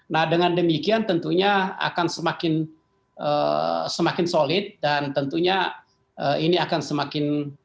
nah dengan demikian tentunya akan semakin solid dan tentunya ini akan semakin